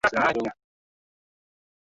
za ulaya na marekani na kwingineko